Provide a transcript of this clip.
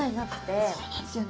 あっそうなんですよね。